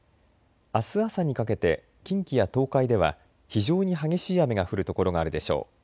あす朝にかけて近畿や東海では非常に激しい雨が降る所があるでしょう。